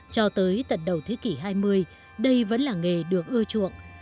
cho tới tận đầu thế kỷ hai mươi đây vẫn là nghề được ưa chuộng